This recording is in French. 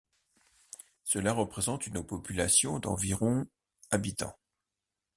Cela représente une population d'environ habitants.